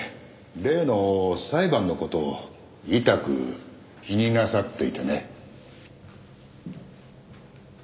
例の裁判の事をいたく気になさっていてね。